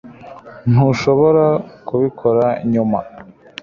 Ntushobora kubikora nyuma